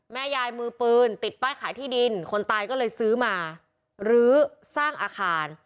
แม่ยายมือปืนติดป้ายขายที่ดินคนตายก็เลยซื้อมาลื้อสร้างอาคาร